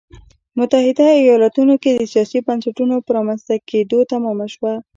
متحده ایالتونو کې د سیاسي بنسټونو په رامنځته کېدو تمامه شوه.